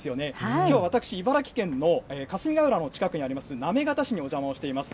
きょう、私、茨城県の霞ケ浦の近くにあります、行方市にお邪魔をしています。